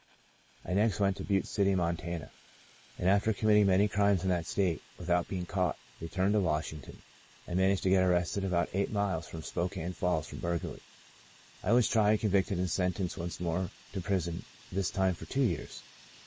" I next went to Butte City, Montana, and after committing many crimes in that state, without being caught, returned to Washing ton. I managed to get arrested about eight miles from Spokane Falls for burglary. I was tried, convicted and sentenced once more to prison — this time for two years.